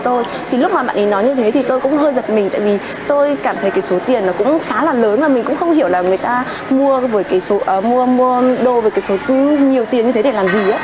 thì lúc mà bạn ấy nói như thế thì tôi cũng hơi giật mình tại vì tôi cảm thấy cái số tiền nó cũng khá là lớn và mình cũng không hiểu là người ta mua đô với cái số tư nhiều tiền như thế để làm gì